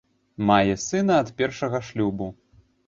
Мае сына ад першага шлюбу.